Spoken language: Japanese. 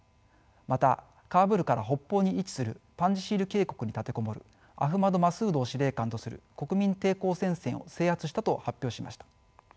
またカブールから北方に位置するパンジシール渓谷に立て籠もるアフマド・マスードを司令官とする国民抵抗戦線を制圧したと発表しました。